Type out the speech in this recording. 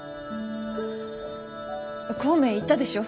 孔明言ったでしょ？